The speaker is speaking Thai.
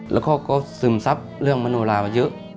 แล้วเขาก็ซึมซับเรื่องมโนรามาเยอะ